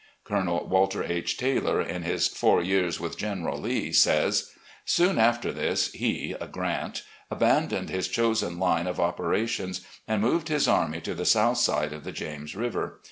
CJolonel Walter H. Taylor, in his "Four Years with General Lee," says: "Soon after this, he (Grant) abandoned his chosen line of operations, and moved his army to the south side of the James River.